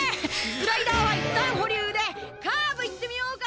スライダーは一旦保留でカーブいってみようか！